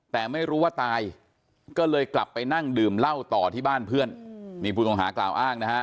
แต่ไม่รู้ว่าตายก็เลยกลับไปนั่งดื่มเหล้าต่อที่บ้านเพื่อนนี่ผู้ต้องหากล่าวอ้างนะฮะ